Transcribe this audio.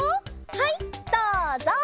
はいどうぞ！